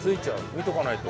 見とかないと。